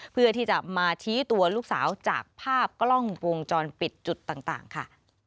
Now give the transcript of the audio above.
เพื่อที่จะมาชี้ตัวลูกสาวจากภาพกล้องวงจรปิดจุดต่างค่ะ